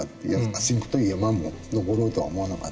「ａｓｙｎｃ」という山も登ろうとは思わなかった。